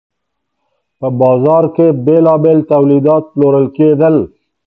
په بازار کي بیلابیل تولیدات پلورل کیدل.